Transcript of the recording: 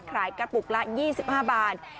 กระปุกละ๒๕บาท